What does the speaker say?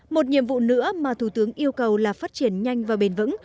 một nhiệm vụ nữa mà thủ tướng yêu cầu là phát triển nhanh và bền vững